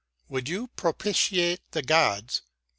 Would you propitiate the gods